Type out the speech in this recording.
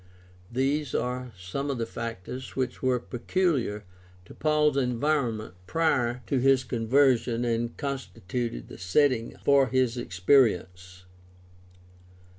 These are some of the factors which were peculiar to Paul's environment prior to his conversion and constituted the setting for his experience.